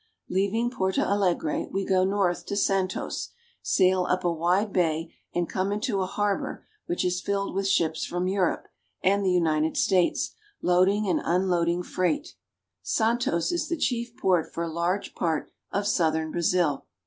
Leaving Porto Alegre, we go north to Santos (san^tos), sail up a wide bay, and come into a harbor which is filled with ships from Europe and the United States, loading and unloading freight. Santos is the chief port for a large part of southern Brazil.